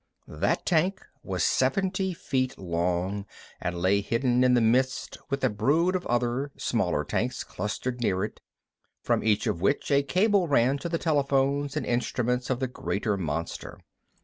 That tank was seventy feet long, and lay hidden in the mist with a brood of other, smaller tanks clustered near it, from each of which a cable ran to the telephones and instruments of the greater monster.